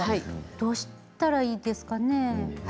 どうしたらいいですかね。